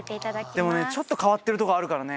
でもねちょっと変わってるとこあるからね。